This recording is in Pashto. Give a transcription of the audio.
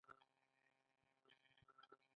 آیا د ونډو بازار په تورنټو کې نه دی؟